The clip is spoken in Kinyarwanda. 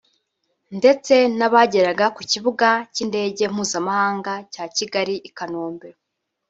ndetse n’abageraga ku Kibuga cy’Indege Mpuzamahanga cya Kigali i Kanombe